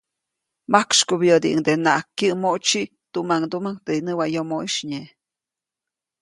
Majksykubyädiʼuŋdenaʼajk kyäʼmoʼtsi tuʼmaŋduʼmaŋ teʼ näwayomoʼisy nye.